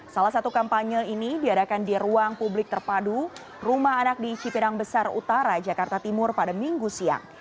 salah satu kampanye ini diadakan di ruang publik terpadu rumah anak di cipinang besar utara jakarta timur pada minggu siang